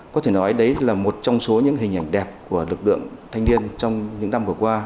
có thể nói đấy là một trong số những hình ảnh đẹp của lực lượng thanh niên trong những năm vừa qua